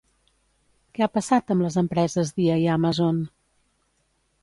Què ha passat amb les empreses Dia i Amazon?